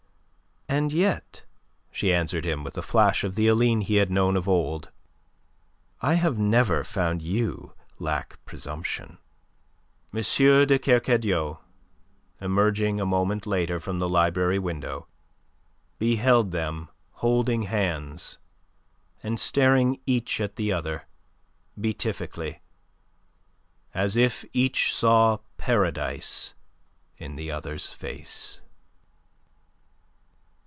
"And yet," she answered him with a flash of the Aline he had known of old, "I have never found you lack presumption." M. de Kercadiou, emerging a moment later from the library window, beheld them holding hands and staring each at the other, beatifically, as if each saw Paradise in the other's face.